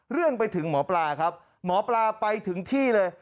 เรื่องไปถึงหมอปลาครับหมอปลาไปถึงที่เลย